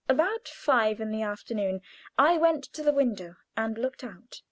About five in the afternoon I went to the window and looked out.